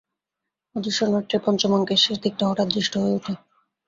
অদৃষ্ট নাট্যের পঞ্চমাঙ্কের শেষ দিকটা হঠাৎ দৃষ্ট হয়ে ওঠে।